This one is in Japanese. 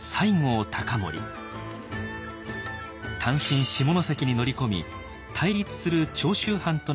単身下関に乗り込み対立する長州藩との同盟を締結。